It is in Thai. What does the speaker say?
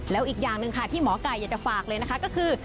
แล้วอีกอย่างหนึ่งค่ะที่หมอไก่อยากจะฝากเลยนะคะก็คือ